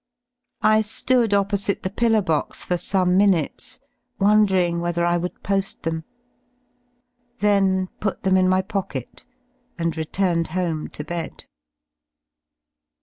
I ^ood opposite the pillar box for some minutes wondering whether I would po^ them — then put them in my pocket and returned home to bed.